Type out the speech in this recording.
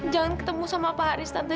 jangan ketemu sama pak haris nanti